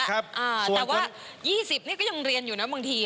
แต่ว่า๒๐นี่ก็ยังเรียนอยู่นะบางที